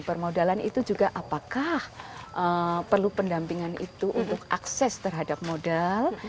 permodalan itu juga apakah perlu pendampingan itu untuk akses terhadap modal